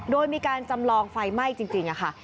โดยมีการจำลองไฟไหม้จริงค่ะ